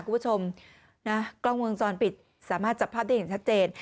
คุณผู้ชมนะกล้องมือจอนปิดสามารถจับพลาดได้เองเช่น